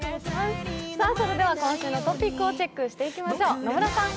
今週のトピックをチェックしていきましょう。